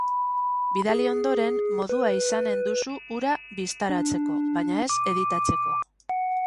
Bidali ondoren, modua izanen duzu hura bistaratzeko, baina ez editatzeko.